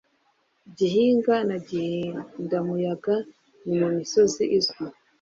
Gihinga na Gihindamuyaga ni imisozi izwi